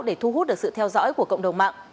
để thu hút được sự theo dõi của cộng đồng mạng